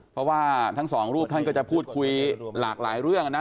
เพราะว่าทั้งสองรูปท่านก็จะพูดคุยหลากหลายเรื่องนะ